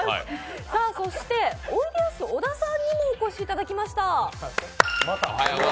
そして、おいでやす小田にもお越しいただきました。